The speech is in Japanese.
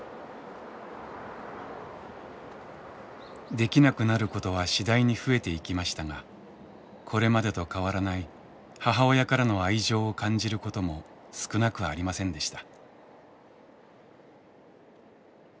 できなくなることは次第に増えていきましたがこれまでと変わらない母親からの愛情を感じることも少なくありませんでした。